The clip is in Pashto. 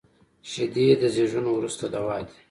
شیدې د زیږون وروسته دوا دي